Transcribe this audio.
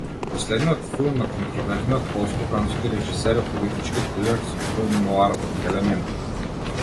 Последниот филм на контроверзниот полско-француски режисер е политички трилер со филм ноар елементи.